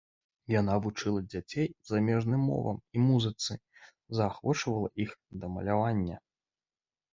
Яна вучыла дзяцей замежным мовам і музыцы, заахвочвала іх да малявання.